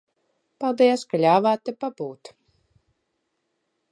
Paldies, ka ļāvāt te pabūt.